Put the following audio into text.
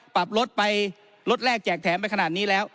ปรับรถไปรถแรกแจกแถมไปขนาดนี้แล้ว